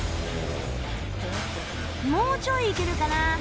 もうちょいいけるかな